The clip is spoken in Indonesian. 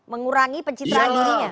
mengurangi pencitraan dirinya